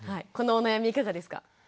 このお悩みいかがですか？